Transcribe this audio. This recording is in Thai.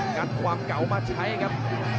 งัดความเก่ามาใช้ครับ